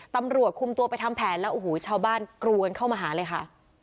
ตำรวจคุมตัวไปทำแผนแล้วโอ้โหชาวบ้านกรวนเข้ามาหาเลยค่ะ